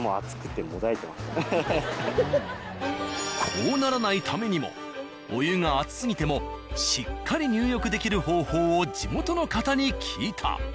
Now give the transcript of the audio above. こうならないためにもお湯が熱すぎてもしっかり入浴できる方法を地元の方に聞いた。